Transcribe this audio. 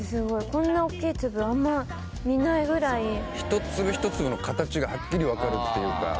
こんなおっきい粒あんま見ないぐらい一粒一粒の形がハッキリ分かるっていうか